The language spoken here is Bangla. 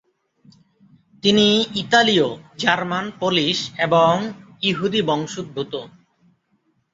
তিনি ইতালীয়, জার্মান, পোলিশ এবং ইহুদি বংশোদ্ভূত।